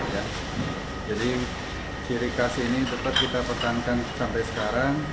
jadi ciri khas ini tetap kita pertahankan sampai sekarang